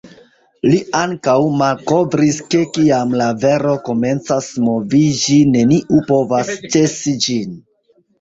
Li ankaŭ malkovris ke kiam la vero komencas moviĝi neniu povas ĉesi ĝin.